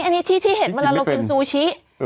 อันนี้ที่เห็นเวลาเรากินซูชิ